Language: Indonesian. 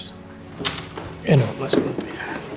ya nino masuk dulu